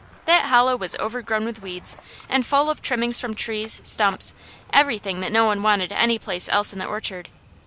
That hollow was overgrown with weeds, and full of trimmings from trees, stumps, everything that no one wanted any place else in the orchard.